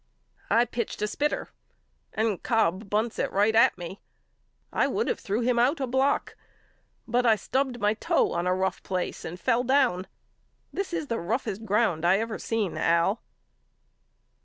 I pitched a spitter and Cobb bunts it right at me. I would of threw him out a block but I stubbed my toe in a rough place and fell down. This is the roughest ground I ever seen Al.